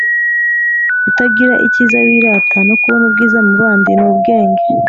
Kutagira icyiza wirata no kubona ubwiza mu bandi ni ubwenge